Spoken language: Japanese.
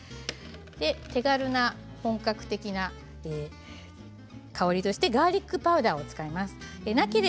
手軽な本格的な香りとしてガーリックパウダーを使います。